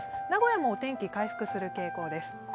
名古屋もお天気、回復する傾向です